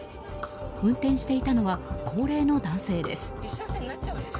運転していたのは高齢の男性です。